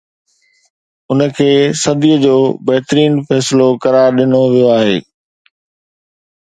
ان کي صدي جو بهترين فيصلو قرار ڏنو ويو آهي